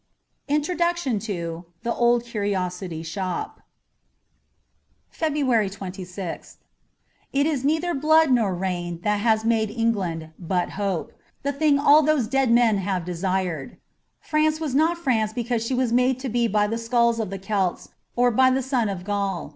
Introduction to ' The Old Curiosity Shop.'' 61 FEBRUARY 26th IT is neither blood nor rain that has made England, but hope — the thing all those dead men have desired. France was not France because she was made to be by the skulls of the Celts or by the sun of Gaul.